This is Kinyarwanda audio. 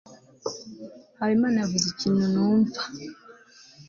habimana yavuze ikintu ntumva